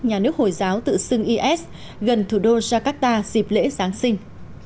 nhà nước hồi giáo tự xưng is gần thủ đô jakarta dịp lễ sáng sáng